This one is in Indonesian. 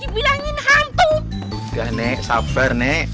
buka nek sabar nek